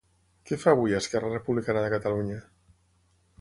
Què fa avui Esquerra Republicana de Catalunya?